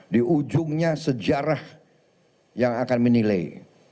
di ujungnya sejarah yang akan menilai